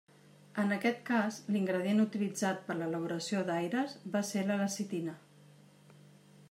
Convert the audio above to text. En aquest cas, l'ingredient utilitzat per a l'elaboració d'aires va ser la lecitina.